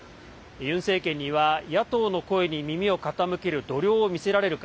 ユン政権には、野党の声に耳を傾ける度量を見せられるか。